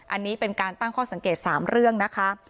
อันนี้เป็นการตั้งข้อสังเกต๓เรื่องนะคะ